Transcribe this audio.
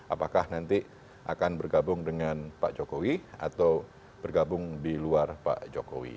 apakah nanti akan bergabung dengan pak jokowi atau bergabung di luar pak jokowi